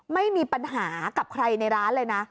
ไม่มีปัญหากับใครในร้านเลยนะ